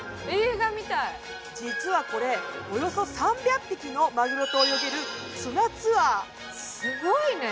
実はこれおよそ３００匹のマグロと泳げるすごいね。